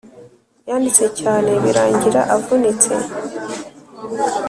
yanditse cyane birangira avunitse